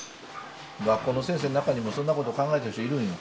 学校の先生の中にもそんなこと考えてる人いるんよ。